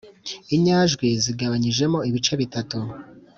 inyajwi zigabanyijemo ibice bitatu: